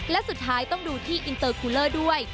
และสุดท้ายต้องดูที่อินเตอร์คูเลอร์ด้วย